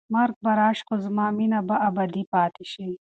مرګ به راشي خو زما مینه به ابدي پاتې وي.